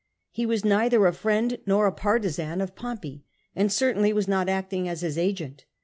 He was neither a friend nor a partisan of Pompey, and certainly was not acting as his agent.